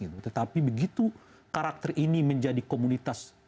tetapi begitu karakter ini menjadi komunitas bernama bangsa